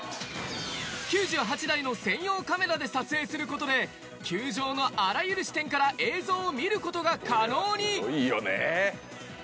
９８台の専用カメラで撮影することで、球場のあらゆる視点から映像を見ることが可能に。